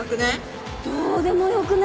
どうでもよくね？